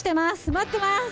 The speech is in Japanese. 待ってます。